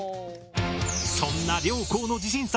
そんな両校の自信作